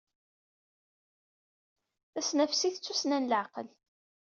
Tasnafsit d tussna n leɛqel.